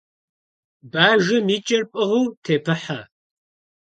Бажэм и кӀэр пӀыгъыу тепыхьэ.